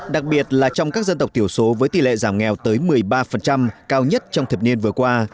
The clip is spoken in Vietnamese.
đặc biệt là trong các dân tộc thiểu số với tỷ lệ giảm nghèo tới một mươi ba cao nhất trong thập niên vừa qua